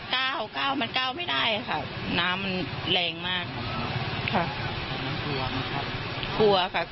ก้าวก้าวมันก้าวไม่ได้อะค่ะน้ำมันแรงมากค่ะค่ะค่ะ